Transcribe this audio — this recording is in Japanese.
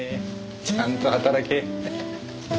ちゃんと働け。